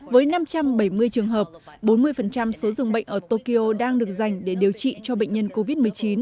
với năm trăm bảy mươi trường hợp bốn mươi số dường bệnh ở tokyo đang được dành để điều trị cho bệnh nhân covid một mươi chín